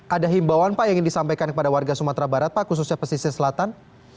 ada himbawan pak yang ingin disampaikan kepada warga sumatera barat pak khususnya pesisir selatan